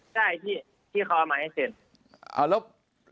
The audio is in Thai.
ใช่ที่เขาเอามาให้เซ็น